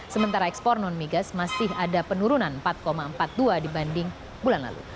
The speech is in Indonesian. sementara ekspor non migas masih ada penurunan empat empat puluh dua dibanding bulan lalu